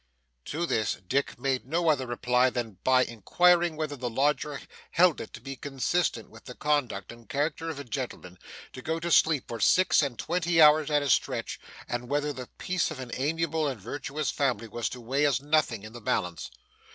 To this, Dick made no other reply than by inquiring whether the lodger held it to be consistent with the conduct and character of a gentleman to go to sleep for six and twenty hours at a stretch, and whether the peace of an amiable and virtuous family was to weigh as nothing in the balance.